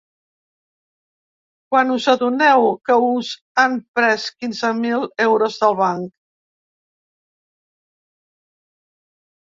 Quan us adoneu que us han pres quinze mil euros del banc?